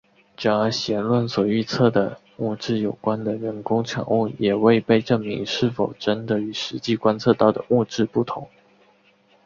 然而弦论所预测的物质有关的人工产物也未被证明是否真的与实际观测到的物质不相同。